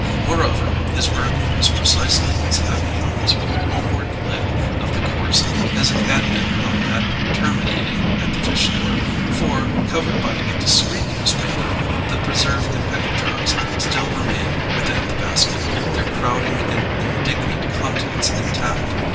Moreover, his burden was precisely as heavy on this homeward leg of the course as it had been on that terminating at the fish store, for, covered by a discreet newspaper, the preserve and pickle jars still remained within the basket, their crowding and indignant contents intact.